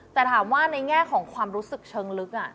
แต่ถามว่าในแง่ของความรู้สึกเชิงลึก